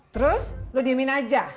terus lu diemin aja